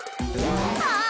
ああ！